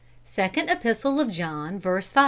"Second Epistle of John. Verse 5."